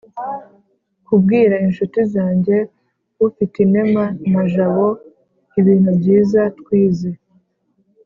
kubwira inshuti zanjye ufitinema na jabo ibintu byiza twize.